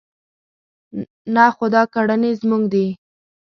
نه خو دا کړنې زموږ دي.